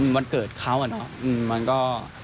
วันเกิดเขาอะเนอะมันก็